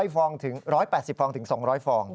๑๘๐ฟองถึง๒๐๐ฟอง